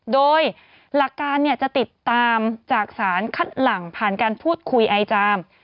โดยหลักการจะติดตามจากสารคัดหลังผ่านการพูดคุยไอจาม